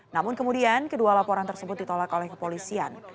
namun kemudian kedua laporan tersebut ditolak oleh kepolisian